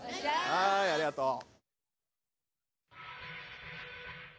はいありがとう。